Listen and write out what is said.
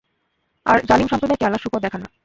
আর জালিম সম্প্রদায়কে আল্লাহ সুপথ দেখান না।